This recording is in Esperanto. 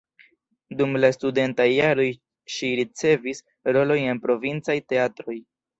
Dum la studentaj jaroj ŝi ricevis rolojn en provincaj teatroj.